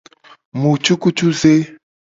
Mu cukucuze.